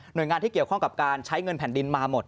โดยงานที่เกี่ยวข้องกับการใช้เงินแผ่นดินมาหมด